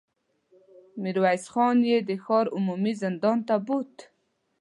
ميرويس خان يې د ښار عمومي زندان ته بوت.